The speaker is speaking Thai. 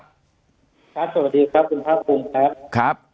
ครับสวัสดีครับคุณพระอาคมครับครับ